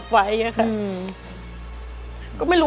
สวัสดีครับ